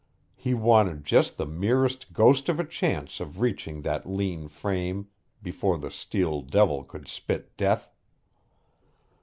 He wanted just the merest ghost of a chance of reaching that lean frame before the steel devil could spit death.